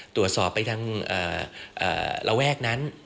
ตรวจสอบไปทางระแวกนั้น